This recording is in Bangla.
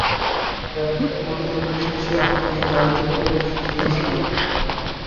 বলতে পারেন সে আপনাকে গাড়িতে করে কোথায় নিয়ে যাচ্ছিলো?